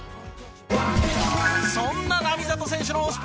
そんな並里選手の推し